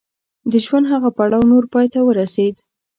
د ژوند هغه پړاو نور پای ته ورسېد.